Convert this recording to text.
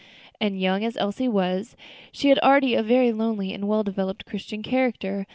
And young as Elsie was, she had already a very lovely and well developed Christian character.